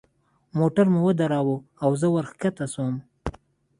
موټر مو ودراوه زه وركښته سوم.